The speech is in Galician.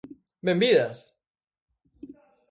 ¡Benvidas!